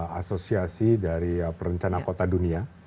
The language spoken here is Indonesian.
ataupun asosiasi dari perencanaan kota dunia